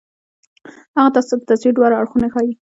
هغه تاسو ته د تصوير دواړه اړخونه ښائي